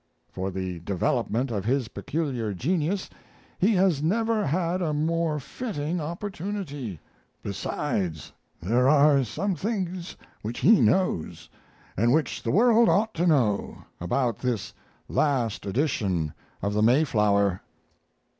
For the development of his peculiar genius he has never had a more fitting opportunity. Besides, there are some things which he knows, and which the world ought to know, about this last edition of the Mayflower.